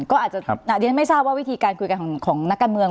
ก็อาจจะเรียนไม่ทราบว่าวิธีการคุยกันของนักการเมือง